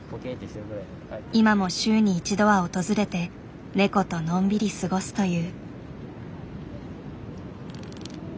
今も週に１度は訪れてネコとのんびり過ごすという。